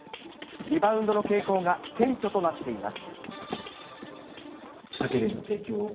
リバウンドの傾向が顕著となっています。